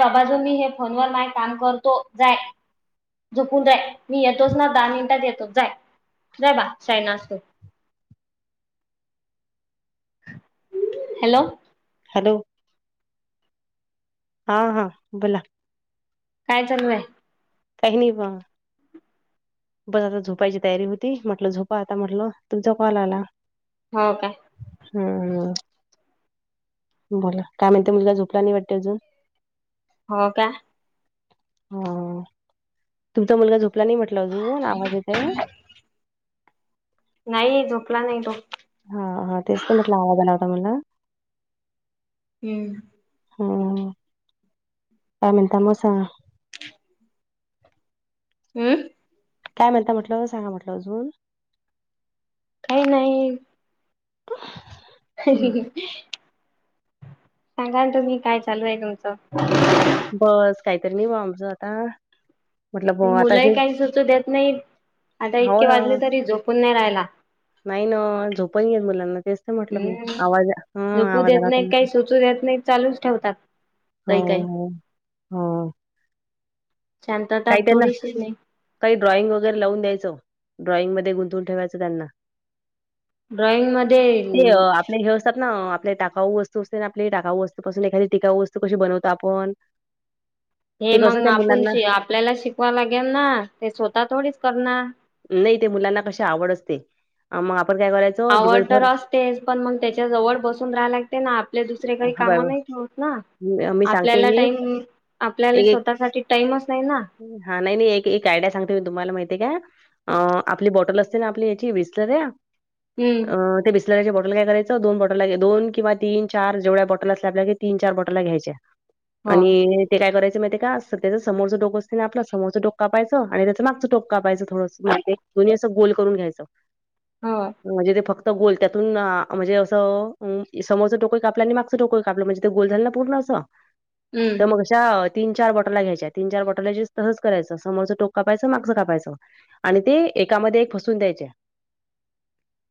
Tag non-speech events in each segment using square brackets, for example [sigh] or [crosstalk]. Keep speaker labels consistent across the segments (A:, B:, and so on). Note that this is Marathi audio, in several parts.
A: बाबा जो मी हे फोन व माय काम करतो जाय. झोपून जाय मी येतोच ना दहा मिनिटात येतोच जाय जाय बा शहाणा आहेस तू. हॅलो!
B: हॅलो! हा हा बोला!
A: काय चालूय
B: काहीनी प बस आता झोपायची तयारी होती म्हटलं झोपा आता म्हटलं तुमचा कॉल आला
A: हो काय
B: हम्म हम. बोला काय म्हणतीुला झोपला नाही वाटते अजून.
A: हो का
B: हा तुमचा मुलगा झोपला नाही म्हटलं अजून आवाज येतय
A: नाही झोपला नाही तो
B: हा हा तेच तर म्हटलं आवाज आलावता मला
A: हम्म
B: ह काय मिनट म सग
A: हम्म
B: काय म्हणता म्हटलं सांगा म्हटलं अजून
A: काही नाही
B: ह
A: ह सांगा ना तुम्ही काय चालू आहे तुमचं
B: बस काहीतरी नाही भा आमचं आता म्हटलं ब आता
A: मुलंही
B: हे
A: काही सुचू देत नाही आता
B: हो
A: इतके
B: ना
A: वाजले तरी झोपून नाही राहिला
B: नाही ना झोपण घेेत मुलांना तेच तर म्हटलं मी
A: हम्म
B: आवाज ह आवाजला
A: त चालूच ठेवतात
B: हो
A: काही काही
B: हो हो
A: शांत तर
B: काही त्यांना
A: थोडीशी नाही
B: काही ड्रॉइंग वगैरे लावून द्यायचं ड्रॉइंगमध्ये गुंतून ठेवायचं त्यांना
A: ड्रॉईंग मध्ये.
B: ते अ, आपले हे असतात ना आपले टाकाऊ वस्तू असते आपली टाकाऊ वस्तूपसून एखादी टिकाऊ वस्ू कशी बनवतो आपण
A: हे
B: ते कसं
A: मग
B: त्या
A: आपण
B: मुलांना
A: श आपल्याला शिकवा लागेल ना ते स्वतः थोडीच करणार
B: नाही ते मुलांना कशी आवड असते मग आपण काय करायचं
A: आवड तर असतेच पण मग त्याच्या जवळ बसून राहाय लागते ना आपले दुसरे काही
B: हा बा
A: काम नाही ठेवत ना
B: मी सांगते
A: आपल्याला टाईम
B: एक
A: आपल्याला
B: एक
A: स्वतःसाठी टाईमच नाही ना
B: हा नाही नाही एक आयडि सगतेो मी तुम्हाला माहिती आहे का अ आपली बॉटल असते ना आपली याची विसलर्या
A: हम्म
B: ते. बॉटल कायं दोन बटला दोनिं तीन चार जेवढ्या बटल असल्या क तीन चार बटला घ्यायच्या.
A: हो.
B: आणि ते काय करायं माहि ते का सध्याच्या समोरं ोक असते ना आप समोर डोका पाहायं आणि त्याच मागं टोका पाहायं थोडं े दोन्ही असं गोल करून घ्यायच
A: हो
B: म्हणजे ते फक्त. गोल त्यातून म्हणजे असं समोरच टोको कापला आणि मागचं टोकोय कापलं म्हणजे ते गोल झालेला पूर्ण. ते
A: हम्म
B: मग. तीन चार बॉटलला घ्यायच्या तीन चार बॉटल तहच करायचं समोरं टोक कापायचं मागचं कापायचं आणि ते एकामध्ये एक फसून द्यायचे.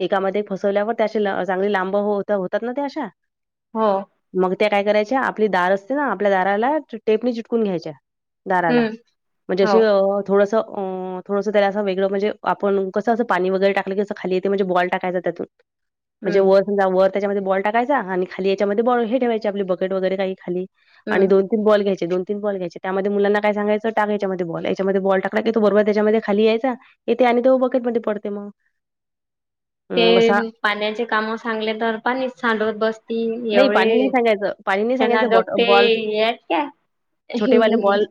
B: एकामध्ये फसवल्यावर त्या अशी चांगली लांब होतात ना त्या अशा.
A: हो
B: मग ते काय करायचे आपली दार असते ना आपल्या दाराला टेपणी चिटकून घ्यायच्या दाराला
A: हम्म
B: म्हणजे
A: हो
B: अ अ थोडस अ थोडस असं वेगं म्हणजे आपण कसं पाणीगरे टाकलं कीं खाली येत म्हणजे बॉल टाकायचा त्यातून. म्हणजे
A: हम्म
B: वर समजा वर त्याच्यामध्ये बॉल टाकायचा आणि खाली याच्यामध्ये बॉल हे ठेवायची आपली बकेट वगैरे काही खाली आणि
A: हम्म.
B: दोन. ती बॉल घ्यायचेो तीन बल घ्यायच्यामध्ये मुलां काय सांगायं टा याच्यामध्ये बॉल याच्यामध्येॉ टाकका क तो बरोबर त्याच्यामध्ये. खाली यायचा येथे आणि तो बकेट मध्ये पडते मग.
A: [inaudible]
B: अं, असा
A: ते पाण्याचे कामं सांगले तर पाणीच सांडवत बसती
B: नाही पाणी नाही
A: एवढे
B: सांगायचं, पाणी नाही
A: त्यांना
B: सांगायचं बॉट
A: डॉक्टे
B: बॉल
A: आहेत का
B: छोटेवाले
A: हम्म
B: बॉल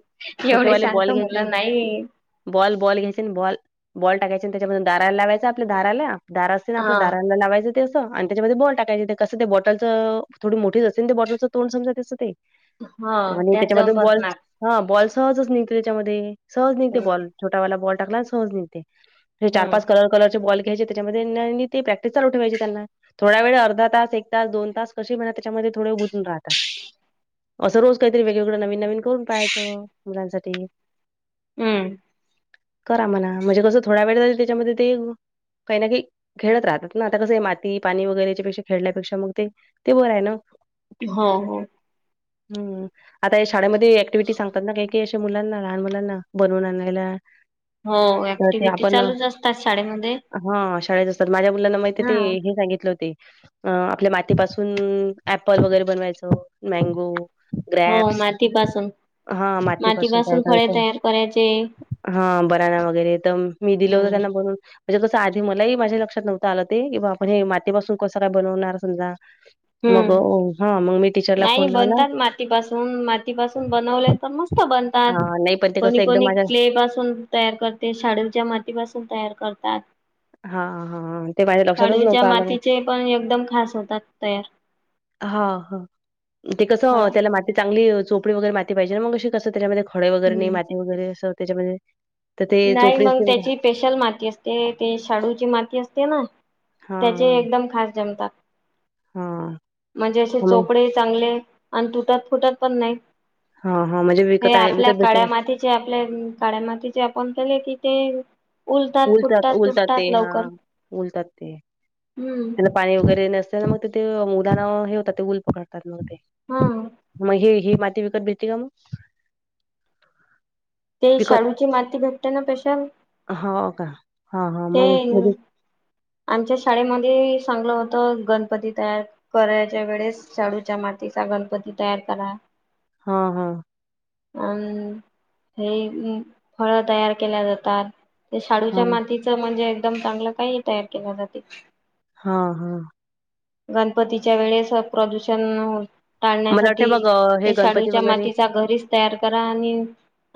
A: एवढे
B: छोटेवाले
A: शांत
B: बॉल घ्यायचे ना
A: मुलं नाही
B: बॉल बॉल घ्यायचे बॉल बॉल टाकाय त्याच्याम दाराला लावायचा आपल्या दाराला दारा असे ना आपल्या
A: हा
B: दारां लावायचं असं आणि त्याच्यामध्ये बॉल टाकायं ते कसं ते बॉटलचं थोडी मोठीच असे तर ते बॉटलच तोंड समजा तसं ते
A: हा
B: मण
A: त्यात जाऊन
B: त्याच्यामध्येदून बॉल......
A: बसणार
B: हा बॉल सहजच निघते त्याच्यामध्ये सहज निघते
A: हम्म
B: बॉल छोटा वला बॉल टाकला सहज निघते हे चार
A: हम्म
B: पाच कलर कलरचे बॉल घ्यायचे त्याच्यामध्ये ते प्रॅक्टिस चालू ठेवायचे त्यांना थोड्या वेळ अर्धा तास एक तास दोन तास कशी म्हणत त्याच्यामध्ये थोडे उजून राहतात असं रोज काहीतरी वेगवेगळं नवीन नवीन करून पाहायचं मुलांसाठी
A: हम्म
B: करा म्हणा म्हणजे कसं थोडा वेळ झा त्याच्यामध्ये ते काही ना काही खेळत राहतात ना आता कसं आहे माती पाणी वगैरेच्या पेक्षा खेळल्यापेक्षा मग ते ते बरं आहे ना
A: हो हो
B: हम्म... आता शाळेमध्ये ऍक्टिव्हटी सांगतात ना काही की अशे मुलांना लहान मुलांना बनवून आणायला....
A: हो
B: तर ते
A: ऍक्टिव्हटी
B: आपण
A: चालूच असतात शाळेमध्ये..
B: हा शाळेत असतात माझ्या मुलांना माहिती
A: हा
B: की हे सांगितलं होती.... अ आपल्या मातीपासून ॲप्पल वगैरे बनवायचं मँगो........
A: हो
B: ग्रॅप्स
A: मातीपासून
B: हा तयार
A: मातीपासून फळे
B: करायचं
A: तयार करायचे....
B: हा बनाना वगैरे तर मी दिलं होत
A: हम्म
B: त्यांना बनून... म्हणजे तसं आधी मलाही माझ्या लक्षात नव्हत आलं ते की बा आपण हे मातीपासून कसं काय बनवणार समजा.... मग अ,
A: हम्म
B: हां, मग मी टीचरला
A: नाही
B: फोन लावला.
A: बनतात मातीपासून मातीपासून बनवले.... मस्त बनतात
B: हां, नाही पण ते
A: कोणी
B: कसं एकदम
A: कोणी
B: माझ्या
A: क्ले पासून.... तयार करते शाडूच्या मातीपासून तयार करतात....
B: हा हा ते माझ्या लक्षातच
A: शाडूच्या
B: नव्हतं आलं म...
A: मातीचे पण एकदम खास होतात तयार....
B: हा हा ते
A: फळ
B: कसं त्याला माती चांगली चोपडी वगैरे माती पाहिजे ना मग अशी कसं त्याच्यामध्ये..... खळे वगैरे नाही
A: हम्म
B: मातीगैरे अस त्याच्यामध्ये.... तर ते
A: नाही
B: चोपडी
A: मग
B: असते बघा
A: त्याची... स्पेशल माती असते ते शाडूची माती असते ना त्याचे एकदम खास जमतात
B: हा...
A: म्हणजे असे चोपडे चांगले आणि तुटत फुटत पण नाही...
B: हा हा म्हणजे विकत आहे विकत भेटे...
A: जे आपल्या काळ्या मातीचे आपण केले तिथे...
B: उलत उलत ते हा उलतात ते...
A: हम्म
B: पाणी वगैरे नसल मग ते ते मुदाना हे होतात ते ऊल पकडतात मग ते....
A: हा
B: मग हे ही माती विकत भेटती का मग
A: ते
B: विकत
A: शाळूची माती भेटतना पशा
B: हो का? हां, हां,
A: ते
B: मग म्हणजे
A: आमच्या शाळेमध्ये चांगलं होत गणपती तयार.... फराळाच्या वेळेत शाडूच्या मातीचा गणपती तयार करा...
B: हा हा..
A: अं हे फळ तयार केल्या जातात... ते शाडूच्या
B: हां,
A: मातीचं म्हणजे एकदम चांगलं काही तयार केल्या जाते..
B: हा हा..
A: गणपतीच्या वेळेस प्रदूषण हो..
B: मला वाटते
A: टाळण्यासाठी
B: मग अ, हे
A: ते
B: गणपती
A: शाडूच्या
B: वगैरे
A: मातीचा घरीच तयार करा आणि...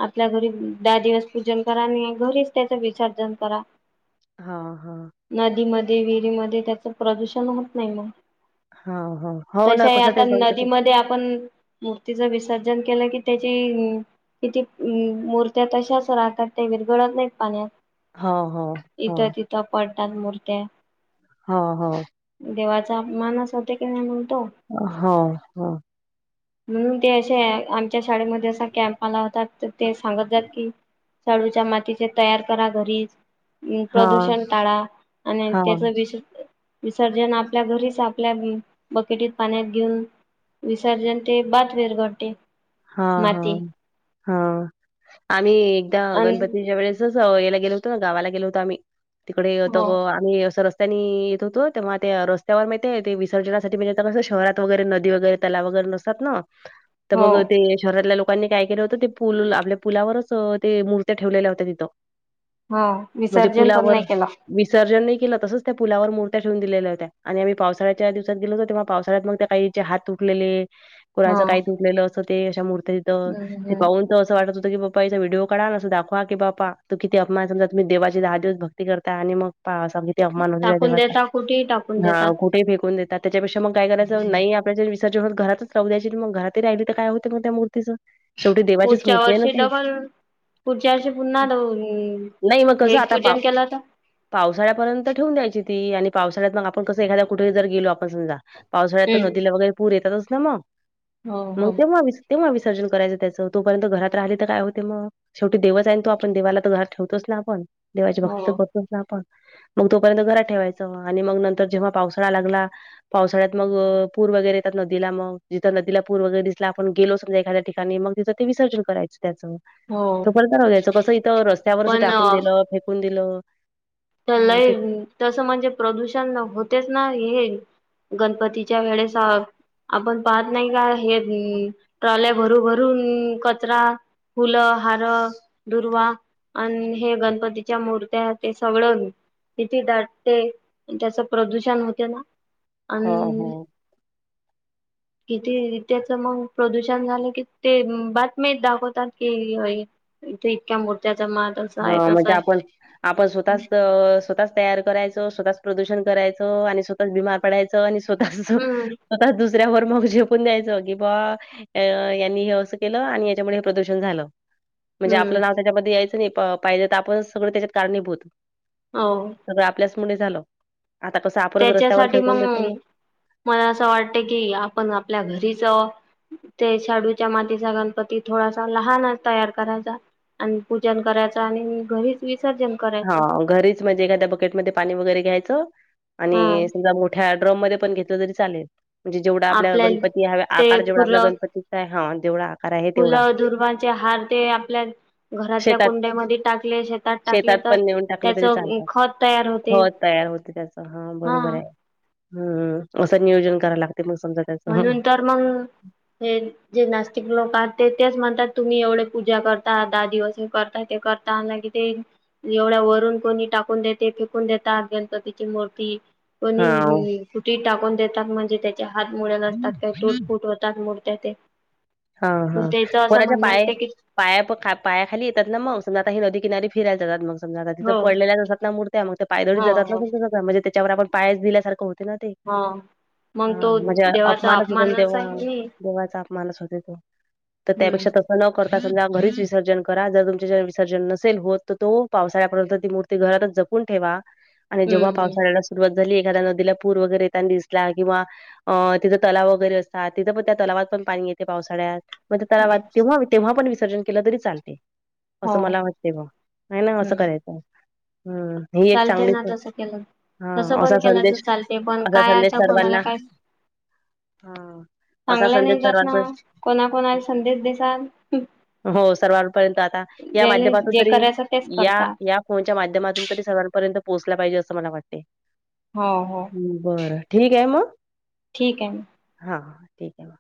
A: आपल्या घरी दहा दिवस पूजन करा आणि घरीच त्याच विसर्जन करा
B: हा हा
A: नदीमध्ये विहिरीमध्ये त्याचं प्रदूषण होत नाही मग
B: हां, हां. हो
A: तस
B: ना. कसं
A: आता
B: ते गणपती
A: नदीमध्ये आपण मूर्तीच विसर्जन केलं की त्याची किती मूर्त्या तशाच राहतात ते विरगळत नाहीत पाण्यात
B: हो हो हो,
A: इथं तिथं पडतात मूर्त
B: हो हो
A: देवाचा अपमानच होते की नाही म्हणतो
B: होा हा
A: म्हणून ते असे आमच्या शाळेमध्ये असा कॅम्प आला होता तर ते सांगत जात की चाळूच्या मातीचे तयार करा घरीच
B: हां,
A: प्रदूषण टाळा आणि त्याच
B: हां,
A: विष विसर्जन आपल्या घरीच आपल्या बकेटीत पाण्यात घेऊन विसर्जन ते बाद फेरघडते
B: हा हा हा आणि एकदा
A: अ
B: गणपतीच्या वेळेस याला गेलो होतो ना गावाला गेलो होतो आम्ही तिकडे
A: हो
B: आम्ही असस्त नी येत होतो तेव्हा ते रस्त्यावर माह ते विसर्जनासाठी मज कसं शहरात वगैरे नदी वगैरे तला वगैरे नस ात ना तर
A: हो
B: मग ते शहरातल्या लोकांनी काय केलं होतं ते पूल आपल्या पुलावरच ते मूर्त्या ठेवलेल्या होत्या तिथं
A: हो
B: म्हणजे
A: विसर्जन पण
B: पुलावर
A: नाही केलं
B: विसर्जन नाही केलं तसंच त्या पुलावर मूर््याेवून दिलेल्या होत्या आणि आम्ही पावसाळ्याच्या दिवसात गेल होतो तेव्हा पावसा्यात मग त्या काही चे हात तुटलेले
A: ह
B: कुलाच काही तुटलेलं अस ते अशा मूर्तीथ ते पाून त असं वाटत होतं की बा्पा याचा विडिओ काढा अस दाखवाी बापा त किती अपमान समज तुम् देवाची दहा दिव भक् करताय आणि मग पाव सगि ते अवमान होते
A: टाकून
B: त्यावता
A: देता कुठेही टाकून
B: हा
A: देतात
B: कुठे फेकून देतात त्याच्यापेक्षा मग काय करायच नाही आपल्या ज विर्ज होत घरातच राह द्यायची मग घरात राहिली तर काय होते मग त्या तिच शेवटी देवाचीच
A: पुढच्या
B: मूर्ती आहे ना
A: वर्षी
B: ती
A: डबल पुढच्या वर्ष पुन्हा
B: नाही मग कसं
A: हे
B: आता पाव
A: पूजन केलं तर
B: पावसाळ्यापर्यंत ठेवून द्यायची ती आणि पावसाळ्यात मग आपण कसं एखाद्या कुठे जर गेलो आपण समजा पावसाळ्यात
A: हम्म
B: नदीला वगैरे पूर येतातच ना मग
A: हो हो
B: मग तेव्हा तेव्हा विसर्जन करायचं त्याचं तोपर्यंत घरात राहिले तर काय होते मग शेवटी देवच आण तो आपण देवाला तर घर ठेवतोच ना आपण देवाची भक्त तर करतोच ना आपण मग तोपर्यंत घरात ठेवायचं आणि मग नंतर जेव्हा पावसाळा लागला पावसाळ्यात मग पूर वगैरे येतात नदीला मग जिथं नदीला पूर वगैर दिस आपण गेलो समज एखा्यािकाणी मग तिं ते विसर्जन करायं त्याचं
A: हो
B: तो पताना घ्यायचं कसं इथं रस्त्यावरच
A: पण
B: टाकून
A: अ,
B: दिलं फेकून दिलं हा
A: लय
B: ते
A: तसं म्हणजे प्रदूषण होतेच ना हे गणपतीच्या वेळेस आपण पाहत नाही का हे ट्रॉल्या भरू भरून कचरा फुलं हार दुर्वा अन हे गणपतीच्या मूर्त्या ते सगळ किती दाटते त्याच प्रदूषण होते ना
B: हो हो.
A: आणि किती त्याच मग प्रदूषण झालं की ते बातमी दाखवतात की इथे इतक्या मूर्त्याचा मात असा आहे
B: हा
A: तसा
B: म्हणजे
A: आहे
B: आपण आपण स्वतःच स्वतःच तयार करायच स्वतःच प्रदूषण करायचं आणि स्वतःच बिमार पडायचं आणि स्वतःच
A: हम्म
B: आवतच दुसऱ्यावर मग जेपून द्यायचं की बा अ यांनी हे असं केलं आणि याच्यामुळे हे प्रदूषण झालं म्हणजे आपलं
A: हम्म
B: नाव त्याच्यामध्ये यायचं नाही पाहिजे तर आपण सगळं त्याच्यात कारणीभूत
A: हो [unintelligible]
B: सगळं आपल्याचमुळे झालं आता कसं आपणच रस्त्यावर
A: त्याच्यासाठी
B: फेकून
A: मग
B: देतो ना.
A: मला असं वाटत की आपण आपल्या घरीच आहोत. ते शेडूच्या मातीचा गणपती थोडासा लहान तयार करायचा. आणि पूजन करायचं आणि घरीच विसर्जन
B: हा
A: करायचं
B: घरीच म्हणजे एखाद्या बकेटमध्ये पाणी वगैरे घ्यायचं.
A: ह
B: आणि समजा मोठ्या ड्रम मध्ये पण घेतलं तरी चालेल. म्हणजे जेवढा आपल्याला
A: आपल्या
B: गणपती ह
A: ते
B: आकार जेवढा आपल्या
A: फुलं
B: गणपतीचा आहे हा तेवढा. आहे
A: फुलं दुर्वांचे हार ते आपल्या घरातल्या
B: शेतात
A: कुंड्यामध्ये टाकले शेतात टाकले तर
B: पण नेऊन टाकले
A: त्याच
B: तरी चालतात
A: खत तयार होते
B: हो तयार होते त्याच हा बरोबर आहे. हम्म असं नियोजन करायला लागते मग समजा. त्याचं
A: म्हणून तर मंग हे. जे नास्तिक लोक आहेत तेच म्हणतात तुम्ही एवढे पूजा करता दहा दिवस करता ते कर दान किती. एवढ्या वरून कोणी टाकून देते फेकून देतात गणपतीची मूर्ती
B: हा
A: कोणी कुठे टाकून देतात म्हणजे त्याचे हात मुळे नसतात त्याचे [unintelligible]
B: हा हा कोणाच्या पाय
A: असते की
B: पाया प पाया खाली येतात ना मग समजा आता नदी किनारी फिरायला जातात मग. समज तिथ
A: हो
B: पडलेल्या जात ना मूर्त्या मग त्या पादळी
A: हो
B: जात ना
A: हो
B: म्हणजे त्याच्या आपण पाय दिल्या सारख होत. ना ते
A: हो मग
B: हा
A: तो
B: म्हणजे
A: देवाचा
B: अपमानच होते ना तेव्हा.
A: आहे
B: देवाचा अपमानच होतय तो तर
A: हम्म
B: त्यापेक्षा त्याच ना करता समजा घरीच विसर्जन करा जर तुमच्या ज विसर्जन नसेल होत तर तो पावसाळ्यापर्यंत ती मुर्ती ते घरातच जपून ठेवा आणि
A: हम्म
B: जेव्हा
A: हम्म
B: पावसाळ्याला सुरवात झाली एखाद्या नदीला पूर वगैरे येताना दिसला किंवा अ तिथं तलाव वगैरे असतात तिथं पण त्या तलावात पण पाणी येत पावसाळ्यात मग त्याला
A: हम्म
B: तेव्हा तेव्हा पण विसर्जन केलं तरी चालते.
A: हो
B: असं मला वाटते ब नाही ना असं
A: हम्म
B: करायचं हम्.
A: चालते ना तसं केलं तसं
B: असा
A: पण केलं तर
B: संदेश
A: चालते पण
B: असा
A: काय
B: संदेश
A: आता कोणाला
B: सर्वांना
A: काय
B: हा असा
A: चांगलं
B: संदेश
A: नाही जात ना
B: सर्वांपर्यंत
A: कोणा कोणाला संदेश देसाल.
B: हो सर्वांपर्यंत आता या
A: जे
B: माध्यमातून
A: जे
B: तरी
A: करायचं तेच
B: या
A: करतात
B: या फोनच्या माध्यमातून तरी सगळांपर्यंत पोहोचला पाहिजे असं मला वाटते.
A: हो हो.
B: बरं ठीक आहे मग.
A: ठीक आहे म.
B: हां ठीक आहे म.